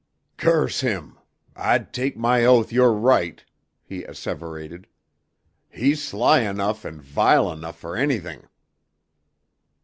"Curse him! I'd take my oath you're right!" he asseverated. "He's sly enough and vile enough for anything."